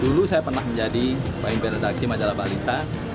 dulu saya pernah menjadi pemimpin redaksi majalah balita